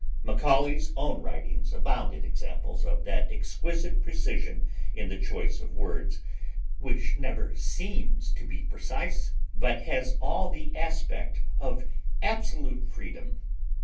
Macaulay's own writings abound in examples of that exquisite precision in the choice of words, which never seems to be precise, but has all the aspect of absolute freedom.